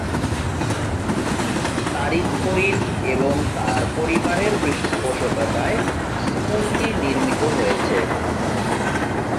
তারিক ফরিদ এবং তার পরিবারের পৃষ্ঠপোষকতায় স্কুলটি নির্মিত হয়েছে।